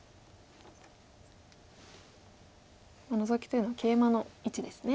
ノゾキというのはケイマの位置ですね。